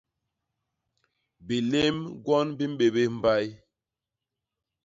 Bilém gwon bi mbébés mbay.